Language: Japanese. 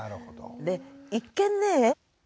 で一見ね